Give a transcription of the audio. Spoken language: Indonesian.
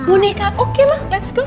boneka oke lah let's go